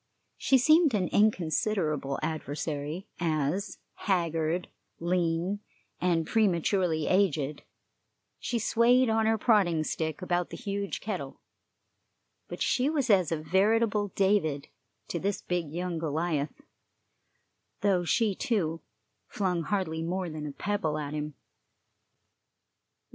She seemed an inconsiderable adversary, as, haggard, lean, and prematurely aged, she swayed on her prodding stick about the huge kettle; but she was as a veritable David to this big young Goliath, though she, too, flung hardly more than a pebble at him.